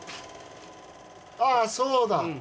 ああそうだ。